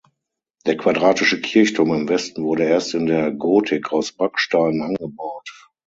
Der quadratische Kirchturm im Westen wurde erst in der Gotik aus Backsteinen angebaut.